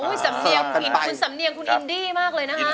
คุณสำเนียงคุณอินดี้มากเลยครับ